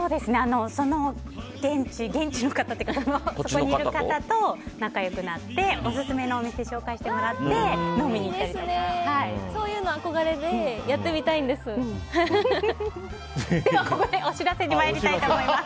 その現地の方というかそこにいる方と仲良くなって、オススメのお店を紹介してもらってそういうの憧れでここでお知らせに参りたいと思います。